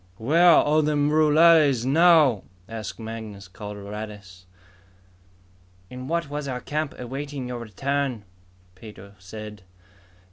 "Where are the rurales now?" asked Mangus Coloradus. "In what was our camp, awaiting your return," Pedro said.